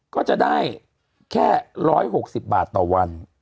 ก็จะได้แค่๑๖๐บาทต่อวัน